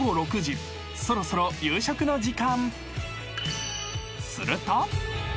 ［そろそろ夕食の時間］